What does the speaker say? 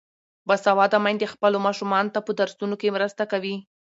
باسواده میندې خپلو ماشومانو ته په درسونو کې مرسته کوي.